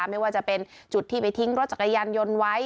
ไม่ว่าจะเป็นจุดที่ไปทิ้งรถจักรยานยนต์ไว้